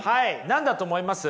何だと思います？